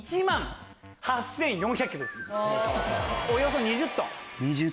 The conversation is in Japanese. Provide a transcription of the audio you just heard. およそ２０トン！